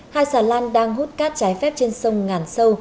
hai xà lan đang hút cát trái phép trên sông ngàn sâu